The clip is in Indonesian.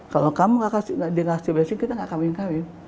kalau kamu gak kasih blessing kita gak kawin kawin